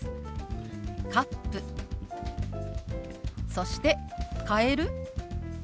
そして「変える？」。